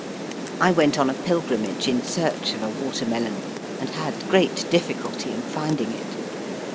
I went on a pilgrimage in search of a water melon, and had great diflSculty in find ing it.